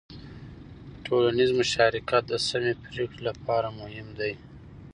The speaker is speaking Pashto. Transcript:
ټولنیز مشارکت د سمې پرېکړې لپاره مهم دی.